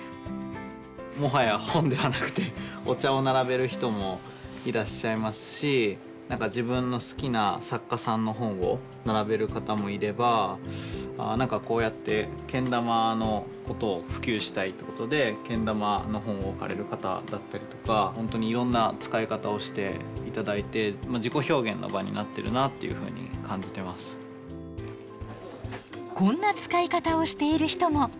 もはや本ではなくてお茶を並べる人もいらっしゃいますし何か自分の好きな作家さんの本を並べる方もいれば何かこうやってけん玉のことを普及したいってことでけん玉の本を置かれる方だったりとか本当にいろんな使い方をして頂いてこんな使い方をしている人も。